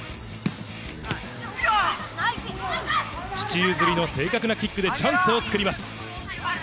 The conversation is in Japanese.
父譲りの正確なキックでチャンスを作ります。